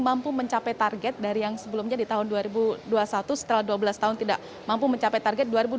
mampu mencapai target dari yang sebelumnya di tahun dua ribu dua puluh satu setelah dua belas tahun tidak mampu mencapai target